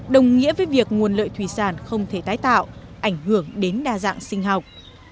đồng nghĩa với việc nguồn lợi thủy sản không thể tái tạo ảnh hưởng đến đa dạng sinh học